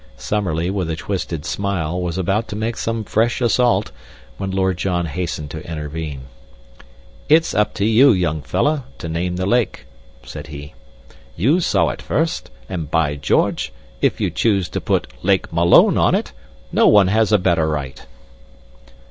Summerlee, with a twisted smile, was about to make some fresh assault when Lord John hastened to intervene. "It's up to you, young fellah, to name the lake," said he. "You saw it first, and, by George, if you choose to put 'Lake Malone' on it, no one has a better right."